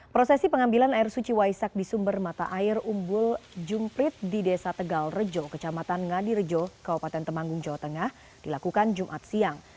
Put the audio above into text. prosesi pengambilan air suci waisak di sumber mata air umbul jumprit di desa tegal rejo kecamatan ngadirejo kabupaten temanggung jawa tengah dilakukan jumat siang